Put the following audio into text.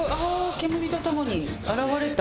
煙と共に現れた。